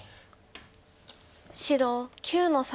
白９の三。